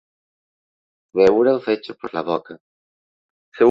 Treure el fetge per la boca.